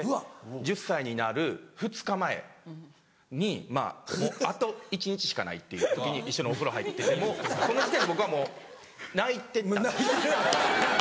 １０歳になる２日前にあと１日しかないっていう時に一緒にお風呂入っててもうその時点で僕はもう泣いてたんです。